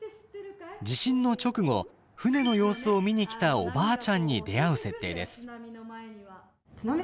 地震の直後船の様子を見に来たおばあちゃんに出会う設定です。